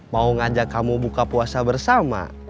mau ngajak kamu buka puasa bersama